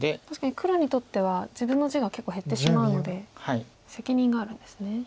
確かに黒にとっては自分の地が結構減ってしまうので責任があるんですね。